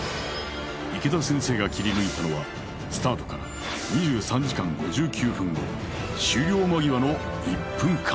池田先生が切り抜いたのはスタートから２３時間５９分後終了間際の１分間